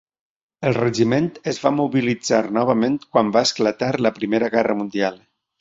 El regiment es va mobilitzar novament quan va esclatar la Primera Guerra Mundial.